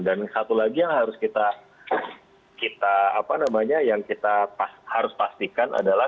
dan satu lagi yang harus kita kita apa namanya yang kita harus pastikan adalah